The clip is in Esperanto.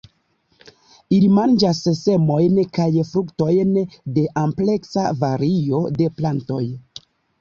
Ili manĝas semojn kaj fruktojn de ampleksa vario de plantoj.